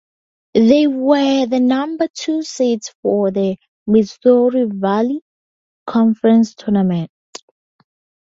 They were the number two seed for the Missouri Valley Conference Tournament.